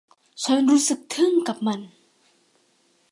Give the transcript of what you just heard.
ฉันรู้สึกทึ่งกับมัน